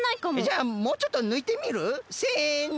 じゃあもうちょっとぬいてみる？せの！